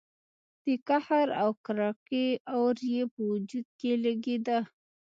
د قهر او کرکې اور يې په وجود کې لګېده.